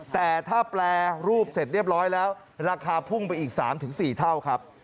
แต่ถ้าแปรรูปเสร็จเรียบร้อยแล้วราคาพุ่งไปอีก๓๔เท่าครับ